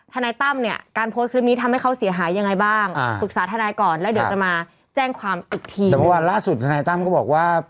ธนัยตัมภ์เนี่ยการโพสต์คลิปนี้ทำให้เขาเสียหายยังไงบ้างอ่าศึกษาธนายต์ก่อนแล้วเดี๋ยวจะมา